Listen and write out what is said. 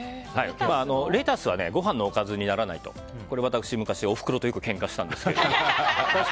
レタスはご飯のおかずにならないとこれ私、昔おふくろとよくけんかしたんですけども。